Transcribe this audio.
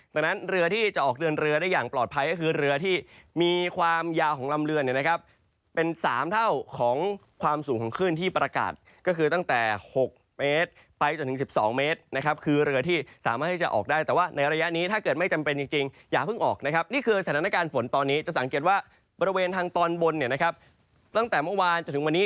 ตรงนั้นเรือที่จะออกเดินเรือได้อย่างปลอดภัยก็คือเรือที่มีความยาวของลำเรือนเนี่ยนะครับเป็นสามเท่าของความสูงของคลื่นที่ประกาศก็คือตั้งแต่หกเมตรไปจนถึงสิบสองเมตรนะครับคือเรือที่สามารถที่จะออกได้แต่ว่าในระยะนี้ถ้าเกิดไม่จำเป็นจริงจริงอย่าเพิ่งออกนะครับนี่คือสถานการณ์ฝนตอนนี้จะ